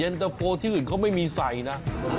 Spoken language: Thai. เย็นตะโฟที่อื่นเขาไม่มีใสนะ